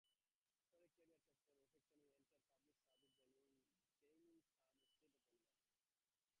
After a career in textile manufacturing, he entered public service, gaining some state appointments.